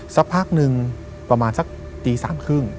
สักพักหนึ่งประมาณสักตี๓๓๐